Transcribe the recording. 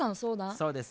そうです。